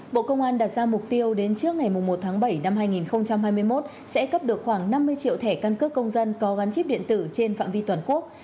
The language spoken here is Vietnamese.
bộ công an đặt ra mục tiêu đến trước ngày một tháng bảy năm hai nghìn hai mươi một sẽ cấp được khoảng năm mươi triệu thẻ căn cước công dân có gắn chip điện tử trên phạm vi toàn quốc